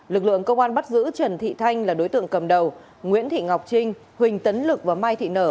lực lượng công an bắt giữ trần thị thanh là đối tượng cầm đầu nguyễn thị ngọc trinh huỳnh tấn lực và mai thị nở